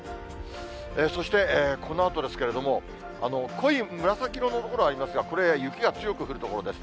そしてこのあとですけれども、濃い紫色の所ありますが、これは雪が強く降る所です。